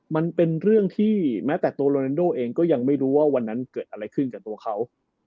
มันเป็นเรื่องที่แม้แต่ตัวโรนันโดเองก็ยังไม่รู้ว่าวันนั้นเกิดอะไรขึ้นกับตัวเขา